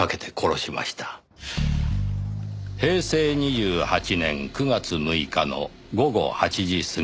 「平成２８年９月６日の午後８時過ぎ